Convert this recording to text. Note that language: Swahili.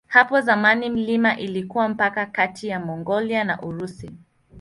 Hapo zamani milima ilikuwa mpaka kati ya Mongolia na Urusi.